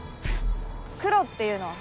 クロっていうの？